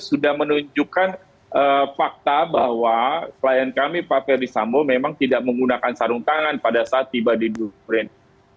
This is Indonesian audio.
sudah menunjukkan fakta bahwa klien kami pak ferdisambo memang tidak menggunakan sarung tangan pada saat tiba di blueprint